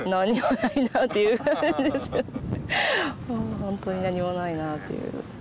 本当に何もないなっていう。